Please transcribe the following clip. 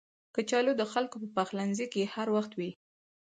کچالو د خلکو په پخلنځي کې هر وخت وي